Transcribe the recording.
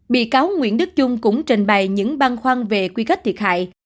bị cáo nguyễn đức trung cũng trình bày những băng khoan về quy kết thiệt hại